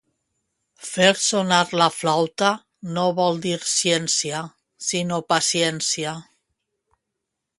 Fer sonar la flauta no vol dir ciència, sinó paciència.